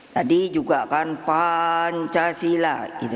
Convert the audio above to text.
tadi juga kan pancasila